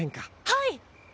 はい。